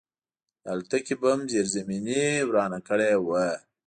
د الوتکې بم زیرزمیني ورانه کړې وه